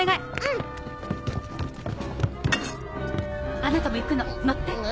あなたも行くの乗って。